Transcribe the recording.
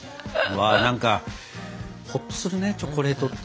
何かほっとするねチョコレートって。